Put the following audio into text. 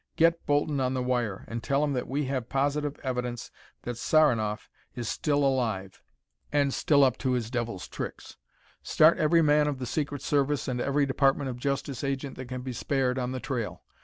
Get Bolton on the wire and tell him that we have positive evidence that Saranoff is still alive and still up to his devil's tricks. Start every man of the secret service and every Department of Justice agent that can be spared on the trail.